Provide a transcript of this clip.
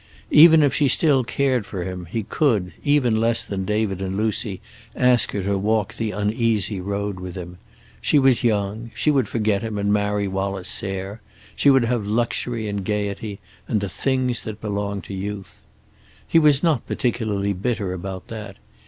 Even if she still cared for him, he could, even less than David and Lucy, ask her to walk the uneasy road with him. She was young. She would forget him and marry Wallace Sayre. She would have luxury and gaiety, and the things that belong to youth. He was not particularly bitter about that.